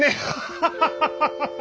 ハハハハハ。